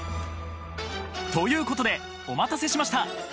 ということでお待たせしました！